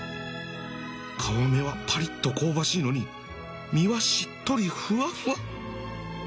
皮目はパリッと香ばしいのに身はしっとりふわふわ